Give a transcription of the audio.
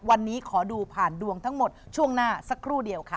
วันนี้ขอดูผ่านดวงทั้งหมดช่วงหน้าสักครู่เดียวค่ะ